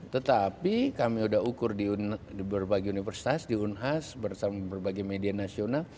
tetapi kami sudah ukur di berbagai universitas di unhas bersama berbagai media nasional